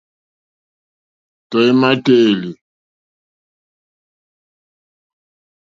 Tɔ̀ímá téèlì.